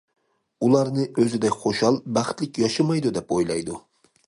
ئۇلارنى ئۆزىدەك خۇشال، بەختلىك ياشىمايدۇ دەپ ئويلايدۇ.